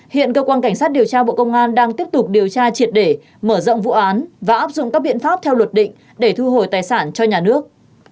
hiện cơ quan cảnh sát điều tra bộ công an đang tiếp tục điều tra triệt để mở rộng vụ án và áp dụng các biện pháp theo luật định để thu hồi tài sản cho nhà nước